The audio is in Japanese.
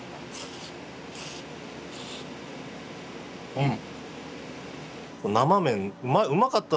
うん！